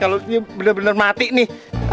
kalo dia bener bener mati nih